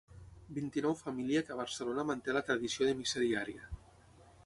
Vint-i-nou família que a Barcelona manté la tradició de missa diària—.